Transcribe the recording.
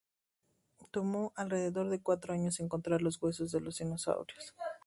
Tomó alrededor de cuatro años encontrar los huesos de los dinosaurios.